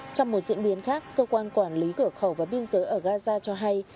trong một diễn biến khác cơ quan quản lý cửa khẩu và biên giới ở gaza cho hay